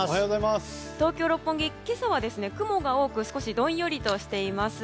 東京・六本木、今朝は雲が多く少しどんよりとしています。